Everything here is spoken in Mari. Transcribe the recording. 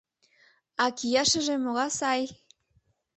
А кияшыже могай сай!